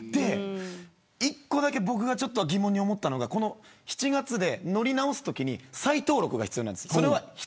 １個だけ疑問に思ったのが７月で乗り直すときに再登録が必要なんです。